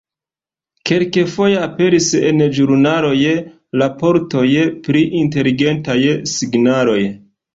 Kelkfoje aperis en ĵurnaloj raportoj pri inteligentaj signaloj.